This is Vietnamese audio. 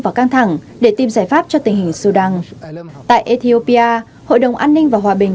và căng thẳng để tìm giải pháp cho tình hình sudan tại ethiopia hội đồng an ninh và hòa bình